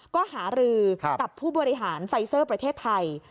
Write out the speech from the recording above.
ก็หารือกับผู้บริหารไฟเซอร์ประเทศไทย